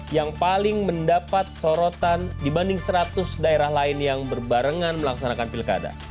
yang paling mendapat sorotan dibanding seratus daerah lain yang berbarengan melaksanakan pilkada